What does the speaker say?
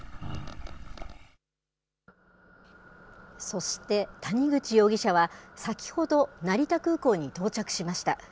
そして、谷口容疑者は先ほど、成田空港に到着しました。